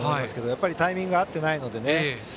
やっぱりタイミングが合っていないのでね。